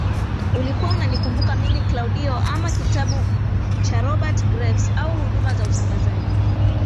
Ulikuwa unanikumbuka Mimi Klaudio ama kitabu cha Robert Graves au huduma za utangazaji